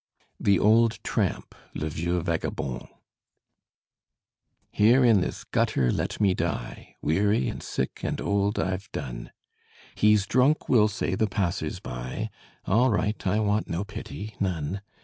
THE OLD TRAMP (LE VIEUX VAGABOND) Here in this gutter let me die: Weary and sick and old, I've done. "He's drunk," will say the passers by: All right, I want no pity none.